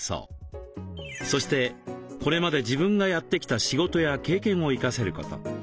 そしてこれまで自分がやってきた仕事や経験を生かせること。